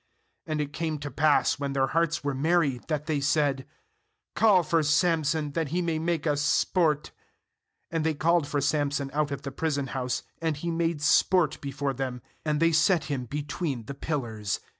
26And it came to pass, when their hearts were merry, that they said: 'Call for Samson, that he may make us sport/ And they called for Samson out of the prison Kbuse; and he made sport before them; and they set him between the pillars.